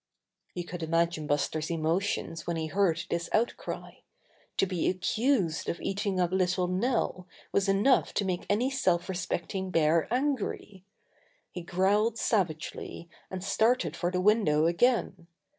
You could imagine Buster's emotions when he heard this outcry. To be accused of eat ing up little Nell was enough to make any self respecting bear angry. He growled sav agely, and started for the window again.